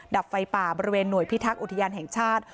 ดับไฟป่าบริเวณหน่วยพิทักษ์อุทยานแห่งชาติ